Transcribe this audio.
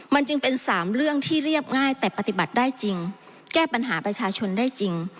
มันจึงเป็นสามเรื่องที่เรียบง่ายแต่ปฏิบัติได้จริงแก้ปัญหาประชาชนได้จริง